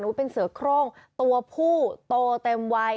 เป็นเสือโครงตัวผู้โตเต็มวัย